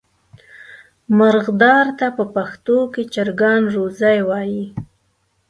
مرغدار ته په پښتو کې چرګان روزی وایي.